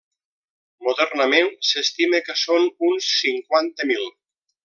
Modernament s'estima que són uns cinquanta mil.